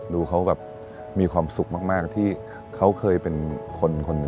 ดูเขาแบบมีความสุขมากที่เขาเคยเป็นคนคนหนึ่ง